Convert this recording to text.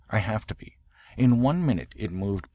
I have to be. In one minute it moved 0.